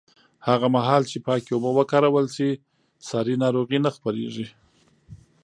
هغه مهال چې پاکې اوبه وکارول شي، ساري ناروغۍ نه خپرېږي.